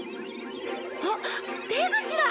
あっ出口だ！